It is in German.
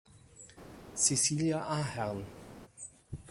Cecilia Ahern